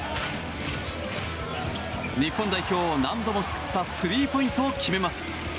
日本代表を何度も救ったスリーポイントを決めます。